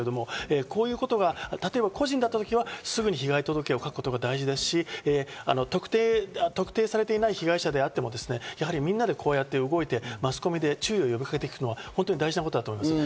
こういうことが例えば個人であったときは、すぐに被害届を書くことが大事ですし、特定されていない被害者であっても、やはりみんなでこうやって動いて、マスコミで注意を呼びかけていくのは本当に大事なことだと思います。